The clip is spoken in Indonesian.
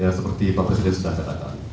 ya seperti pak presiden sudah katakan